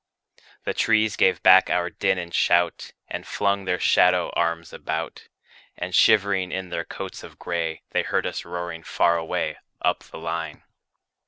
The trees gave back our din and shout, And flung their shadow arms about; And shivering in their coats of gray, They heard us roaring far away, Up the line.